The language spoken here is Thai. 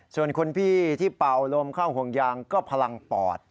ส่วนคุณพี่ที่เป่าลมเข้าห่วงยางก็พลังปอด